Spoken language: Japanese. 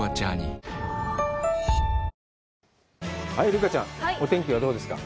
留伽ちゃん、お天気はどうですか。